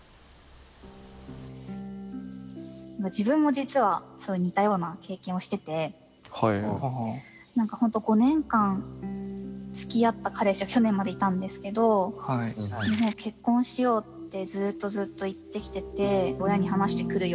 自分も実は似たような経験をしてて何か本当５年間つきあった彼氏が去年までいたんですけど「結婚しよう」ってずっとずっと言ってきてて「親に話してくるよ。